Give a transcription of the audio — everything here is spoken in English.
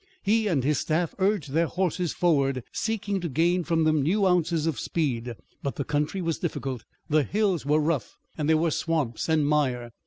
He and his staff urged their horses forward, seeking to gain from them new ounces of speed, but the country was difficult. The hills were rough and there were swamps and mire.